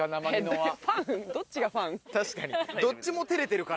確かに。